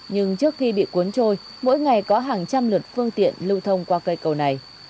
nhưng trước khi bị cuốn trôi mỗi ngày có hàng trăm lượt phương tiện lưu thông qua cây cầu này